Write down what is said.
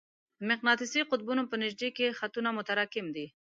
د مقناطیسي قطبونو په نژدې کې خطونه متراکم دي.